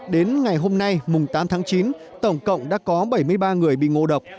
đến ngày hôm nay mùng tám tháng chín tổng cộng đã có bảy mươi ba người bị ngộ độc